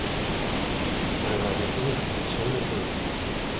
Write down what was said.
それは別人格の消滅を意味する